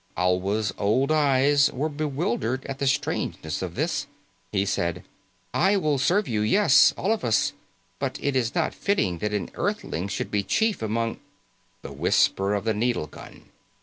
Alwa's old eyes were bewildered at the strangeness of this. He said, "I will serve you, yes. All of us. But it is not fitting that an Earthling should be chief among " The whisper of the needle gun.